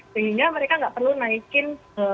sehingga mereka nggak perlu naikin